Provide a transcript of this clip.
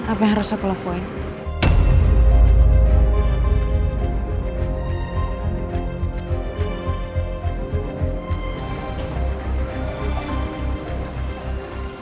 apa yang harus aku lakukan